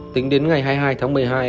tính đến ngày hai mươi hai tháng một mươi hai